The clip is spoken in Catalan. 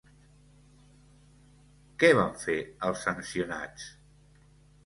Què van fer els sancionats?